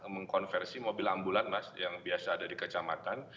mengkonversi mobil ambulans yang biasa ada di kecamatan